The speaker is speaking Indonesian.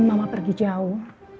mama pergi jauh